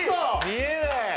見えない！